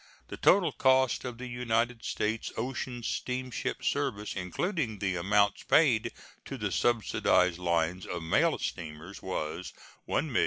The total cost of the United States ocean steamship service, including the amounts paid to the subsidized lines of mail steamers, was $1,027,020.